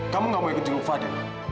kamu gak mau ikutin ke fadil